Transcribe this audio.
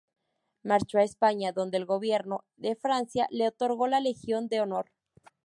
Marchó a España, donde el gobierno de Francia le otorgó la Legión de Honor.